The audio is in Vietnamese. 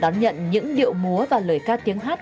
đón nhận những điệu múa và lời ca tiếng hát